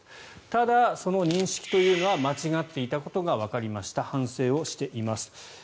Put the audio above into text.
ただ、その認識というのは間違っていたことがわかりました反省をしています。